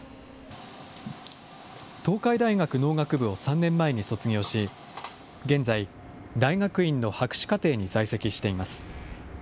東海大学農学部を３年前に卒業し、現在、大学院の博士課程に在籍しています。